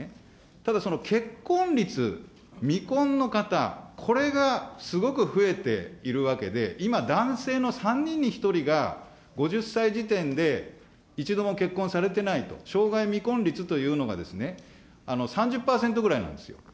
ただその結婚率、未婚の方、これがすごく増えているわけで、今、男性の３人に１人が、５０歳時点で一度も結婚されてないと、生涯未婚率というのが３０％ぐらいなんですよ。